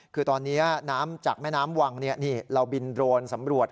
คือตอนนี้น้ำจากแม่น้ำวังเราบินโดรนสำรวจ